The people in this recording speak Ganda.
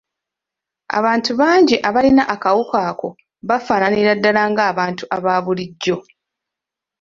Abantu bangi abalina akawuka ako bafaananira ddala ng’abantu aba bulijjo.